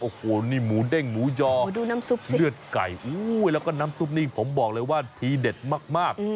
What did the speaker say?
โอ้โหนี่หมูเด้งหมูยอมเลือดไก่แล้วก็น้ำซุปนี่ผมบอกเลยว่าทีเด็ดมาก